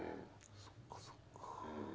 そっかそっか。